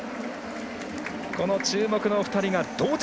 この注目の２人が同着。